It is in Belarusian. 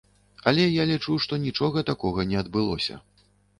Але я лічу, што нічога такога не адбылося.